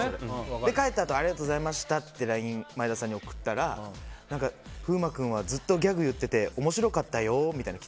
帰ったあとありがとうございましたってＬＩＮＥ送ったら風磨君、ずっとギャグ言ってて面白かったよって。